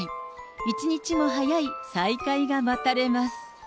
一日も早い再開が待たれます。